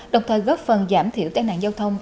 đồng thời góp phần giảm thiểu tai nạn giao thông